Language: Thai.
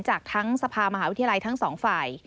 จากทั้งสภามหาวิทยาลัยทั้งสองฝ่าย